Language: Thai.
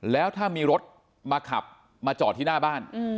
แล้วถ้ามีรถมาขับมาจอดที่หน้าบ้าน